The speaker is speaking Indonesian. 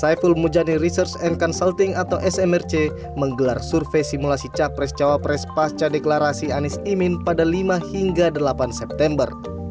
saiful mujani research and consulting atau smrc menggelar survei simulasi capres cawapres pasca deklarasi anies imin pada lima hingga delapan september